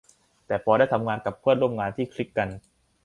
แต่พอได้ทำงานกับเพื่อนร่วมงานที่คลิกกัน